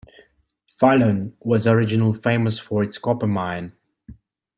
Falun was originally famous for its copper mine.